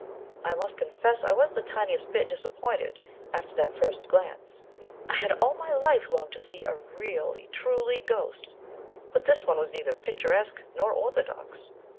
I must confess I was the tiniest bit disappointed after that first glance. I had all my life longed to see a really, truly ghost, but this one was neither picturesque nor orthodox.